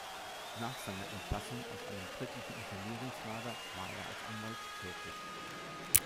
Nach seiner Entlassung aus einem britischen Internierungslager war er als Anwalt tätig.